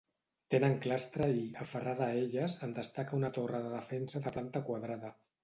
Tenen clastra i, aferrada a elles, en destaca una torre de defensa de planta quadrada.